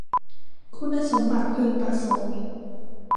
คุณสมบัติพึงประสงค์